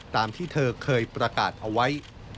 ตามที่เธอเคยประกาศเอาไว้